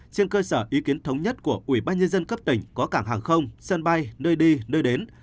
trên cơ sở ý kiến thống nhất của ubnd cấp tỉnh có cảng hàng không sân bay nơi đi nơi đến